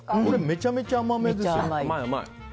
めちゃめちゃ甘めですよ。